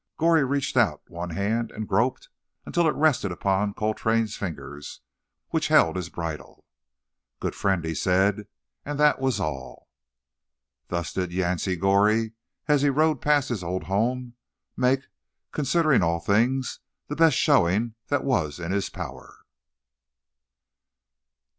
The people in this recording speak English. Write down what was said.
Goree reached out one hand and groped until it rested upon Coltrane's fingers, which held his bridle. "Good friend," he said, and that was all. Thus did Yancey Goree, as he rode past his old home, make, considering all things, the best showing that was in his power.